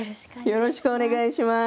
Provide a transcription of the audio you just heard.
よろしくお願いします。